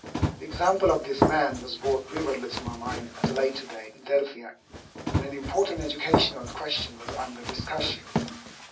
The example of this man was brought vividly to my mind at a later day, in Philadelphia, when an important educational question was under discussion.